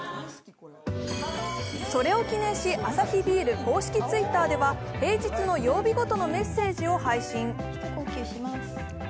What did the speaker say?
それを記念し、アサヒビール公式Ｔｗｉｔｔｅｒでは、平日の曜日ごとのメッセージを配信。